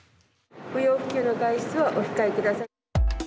不要不急の外出はお控え下さい。